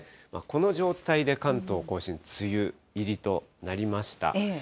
この状態で関東甲信、梅雨入りとなりました。